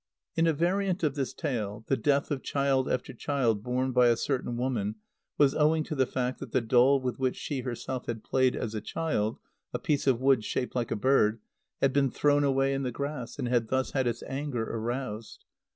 [In a variant of this tale, the death of child after child borne by a certain woman was owing to the fact that the doll with which she herself had played as a child (a piece of wood shaped like a bird) had been thrown away in the grass, and had thus had its anger aroused.